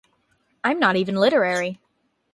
I'm not even literary.